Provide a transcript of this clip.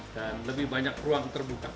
dan lebih banyak ruang terbuka